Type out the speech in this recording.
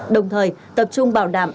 đồng thời tập trung bảo đảm